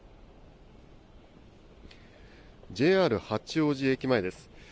ＪＲ八王子駅前です。